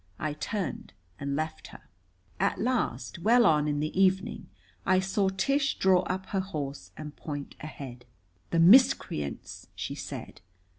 I turned and left her. At last, well on in the evening, I saw Tish draw up her horse and point ahead. "The miscreants!" she said.